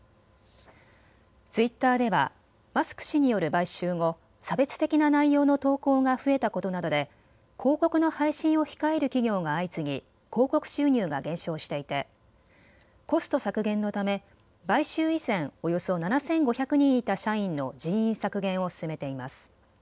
ツイッターではマスク氏による買収後、差別的な内容の投稿が増えたことなどで広告の配信を控える企業が相次ぎ広告収入が減少していてコスト削減のため買収以前、およそ７５００人いた社員の人員削減を進めています。